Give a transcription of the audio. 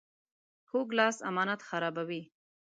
کوږ لاس امانت خرابوي